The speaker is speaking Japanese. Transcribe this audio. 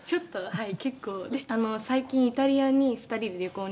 「はい」